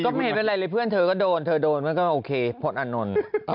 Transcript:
ไม่เห็นเป็นไรเลยเพื่อนเธอก็โดนเธอโดนมันก็โอเคพลตอานนท์